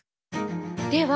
では